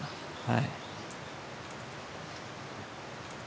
はい。